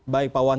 baik pak wan